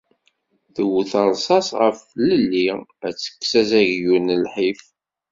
Tewwet rṣṣaṣ ɣef tlelli, ad tekkes azaglu n lḥif.